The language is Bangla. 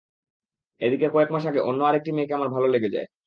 এদিকে কয়েক মাস আগে অন্য আরেকটি মেয়েকে আমার ভালো লেগে যায়।